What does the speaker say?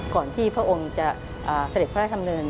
ก่อนที่พระองค์จะเสร็จพระราชธรรมเนิน